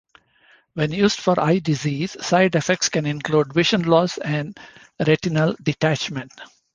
When used for eye disease side effects can include vision loss and retinal detachment.